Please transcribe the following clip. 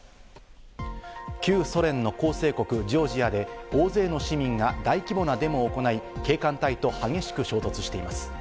旧ソ連の構成国ジョージアで大勢の市民が大規模なデモを行い、警官隊と激しく衝突しています。